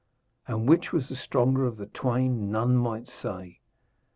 And which was the stronger of the twain none might say.